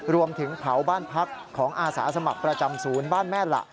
รวมถึงเผาบ้านพักของอาสาสมัครประจำศูนย์บ้านแม่ละ